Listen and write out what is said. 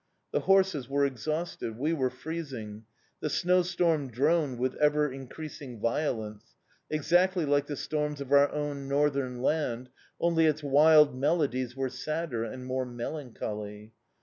The horses were exhausted; we were freezing; the snowstorm droned with ever increasing violence, exactly like the storms of our own northern land, only its wild melodies were sadder and more melancholy.